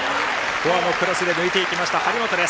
フォアのクロスで抜いていきました、張本です。